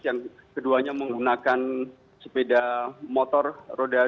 yang keduanya menggunakan sepeda motor roda dua